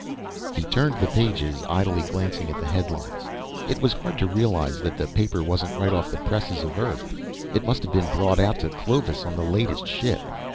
He turned the pages, idly glancing at the headlines. It was hard to realize that the paper wasn't right off the presses of Earth; it must have been brought out to Clovis on the latest ship.